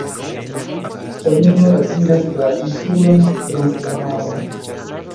Oni nur atingas la insulon trans la maron.